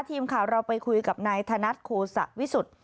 ทีมข่าวเราไปคุยกับนายธนัดโคสะวิสุทธิ์